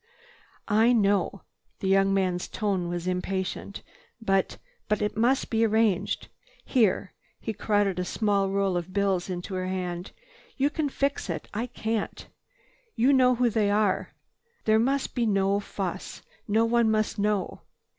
"I know—" The young man's tone was impatient. "But—but it must be arranged. Here!" He crowded a small roll of bills into her hand. "You can fix it. I can't. You know who they are. There must be no fuss. No one must know.